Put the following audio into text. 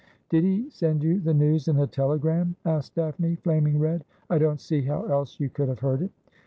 ' Did he send you the news in a telegram ?' asked Daphne, flaming red. ' I don't see how else you could have heard it.'